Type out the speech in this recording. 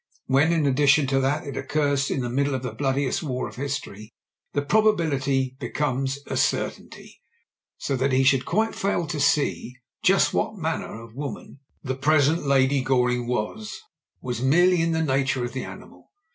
When, in addition to that, it occurs in the middle of the bloodiest war of history, the probability becomes a certainty. That he should quite fail tp see just what manner of woman 132 MEN, WOMEN AND GUNS • the present Lady Goring was, was merely in the nature of the animal.